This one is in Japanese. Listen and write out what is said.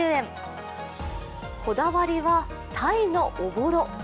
こだわりは鯛のおぼろ。